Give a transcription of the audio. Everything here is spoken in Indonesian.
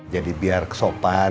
jadi biar kesopan kita